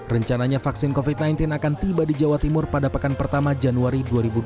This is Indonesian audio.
rencananya vaksin covid sembilan belas akan tiba di jawa timur pada pekan pertama januari dua ribu dua puluh